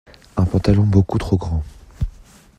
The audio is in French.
Un pantalon beaucoup trop grand.